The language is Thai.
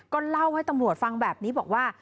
ก็เล่าให้ตำรวจฟังแบบนี้บอกว่า